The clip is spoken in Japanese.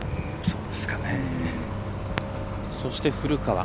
そして、古川。